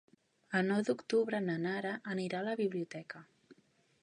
El nou d'octubre na Nara anirà a la biblioteca.